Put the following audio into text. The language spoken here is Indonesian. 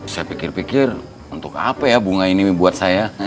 saya pikir pikir untuk apa ya bunga ini membuat saya